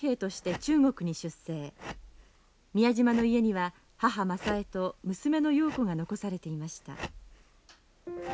宮島の家には母雅枝と娘の瑤子が残されていました。